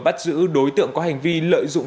bắt giữ đối tượng có hành vi lợi dụng